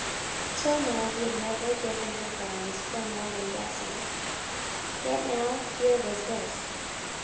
Till now he had never given her grounds for more than guessing. Yet now here was this!